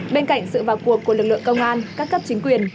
bên cạnh sự vào cuộc của lực lượng công an các cấp chính quyền